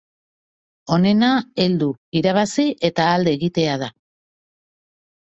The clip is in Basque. Onena heldu, irabazi eta alde egitea da.